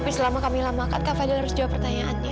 tapi selama kamilah makan kak fady harus jawab pertanyaannya